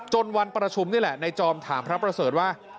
จนวันประชุมนี่แหละในจอมถามพระเศรษฐ์ว่า